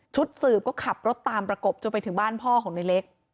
สืบก็ขับรถตามประกบจนไปถึงบ้านพ่อของในเล็ก